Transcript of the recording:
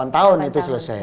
delapan tahun itu selesai